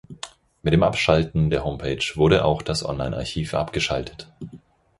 Mit dem Abschalten der Homepage wurde auch das Online-Archiv abgeschaltet.